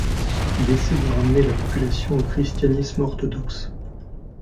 Il essaye de ramener la population au christianisme orthodoxe.